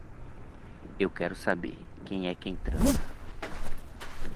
Eu quero saber, quem é quem transa